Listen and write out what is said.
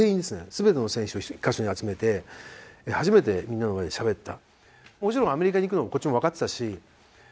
全ての選手を１カ所に集めて初めてみんなの前でしゃべった。